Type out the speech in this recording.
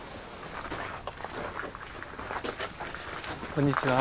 こんにちは。